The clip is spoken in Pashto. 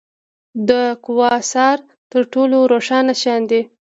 د کواسار تر ټولو روښانه شیان دي.